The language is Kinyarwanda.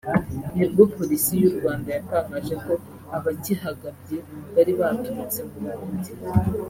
nibwo Polisi y’u Rwanda yatangaje ko abakihagabye bari baturutse mu Burundi